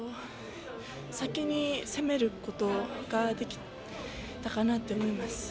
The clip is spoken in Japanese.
先に攻めることができたかなと思います。